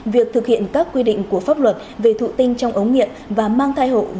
việc thực hiện các quy định của pháp luật về thụ tinh trong ống nghiệm và mang thai hộ